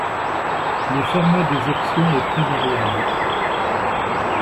Le format des options est très variable.